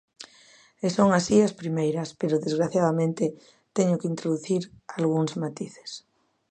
E son así as primeiras, pero, desgraciadamente, teño que introducir algúns matices.